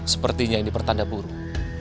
sepertinya ini pertanda buruk